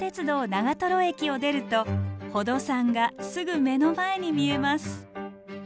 長瀞駅を出ると宝登山がすぐ目の前に見えます。